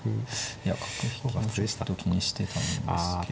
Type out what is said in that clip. いや角引きをちょっと気にしてたんですけど。